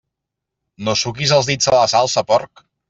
No suquis els dits a la salsa, porc!